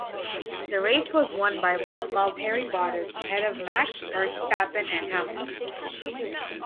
The race was won by Valtteri Bottas ahead of Max Verstappen and Hamilton.